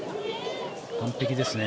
完璧ですね。